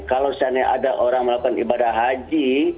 kalau seandainya ada orang melakukan ibadah haji